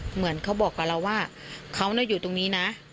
เหมือนเขาบอกกับเราว่าเขาอยู่ตรงนี้นะ